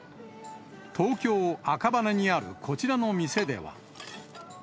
東京・赤羽にある、こちらの店では。